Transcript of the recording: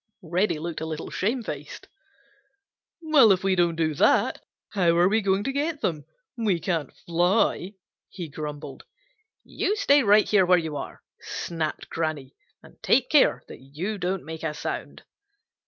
Reddy looked a little shamefaced. "Well, if we don't do that, how are we going to get them? We can't fly," he grumbled. "You stay right here where you are," snapped Granny, "and take care that you don't make a sound."